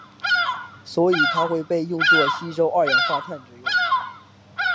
所以它会被用作吸收二氧化碳之用。